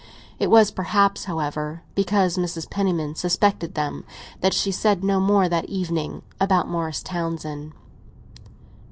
It was perhaps, however, because Mrs. Penniman suspected them that she said no more that evening about Morris Townsend.